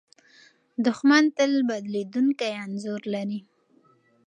دښمن تل بدلېدونکی انځور لري.